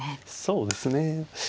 そうですね。